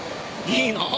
いいの？